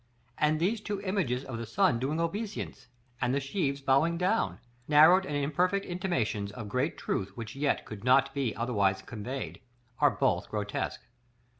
And these two images of the sun doing obeisance, and the sheaves bowing down, narrowed and imperfect intimations of great truth which yet could not be otherwise conveyed, are both grotesque.